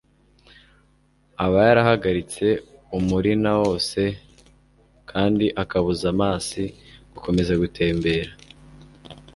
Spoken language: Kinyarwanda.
aba yarahagaritse umurinao wose, kandi akabuza amasi gukomeza gutembera.